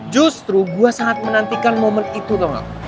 justru gue sangat menantikan momen itu tau gak